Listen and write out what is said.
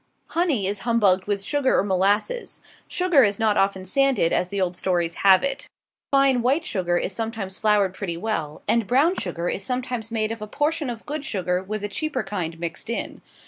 Honey is humbugged with sugar or molasses. Sugar is not often sanded as the old stories have it. Fine white sugar is sometimes floured pretty well; and brown sugar is sometimes made of a portion of good sugar with a cheaper kind mixed in.